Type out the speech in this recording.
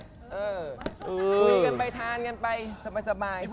คุยกันไปทานกันไปสบาย